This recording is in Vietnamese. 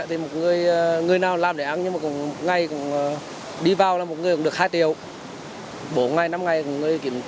thì một người nào làm để ăn nhưng mà một ngày đi vào là một người cũng được hai tiểu bổ ngày năm ngày là một người kiếm chín mươi tiểu đó